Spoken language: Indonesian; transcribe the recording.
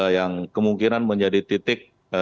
yang kemungkinan menjadi titik